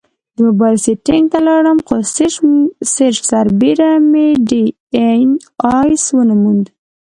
د مبایل سیټینګ ته لاړم، خو سرچ سربیره مې ډي این ایس ونه موند